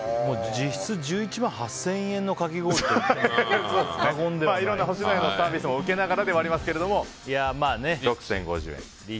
実質１１万８０００円のかき氷と言ってもいろんなサービスを受けながらではありますが６０５０円。